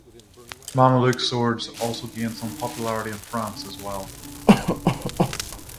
Mameluke swords also gained some popularity in France as well.